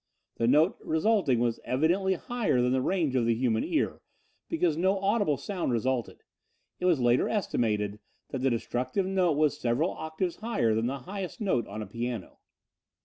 The note resulting was evidently higher than the range of the human ear, because no audible sound resulted. It was later estimated that the destructive note was several octaves higher than the highest note on a piano.